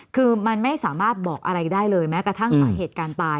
คือมันไม่สามารถบอกอะไรได้เลยแม้กระทั่งสาเหตุการณ์ตาย